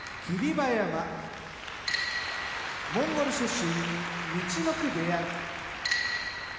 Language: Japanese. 馬山モンゴル出身陸奥部屋豊昇